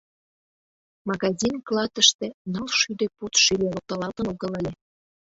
Магазин клатыште ныл шӱдӧ пуд шӱльӧ локтылалтын огыл ыле.